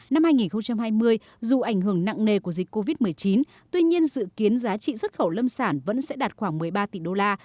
năm hai nghìn hai mươi dù ảnh hưởng nặng nề của dịch covid một mươi chín tuy nhiên dự kiến giá trị xuất khẩu lâm sản vẫn sẽ đạt khoảng một mươi ba tỷ đô la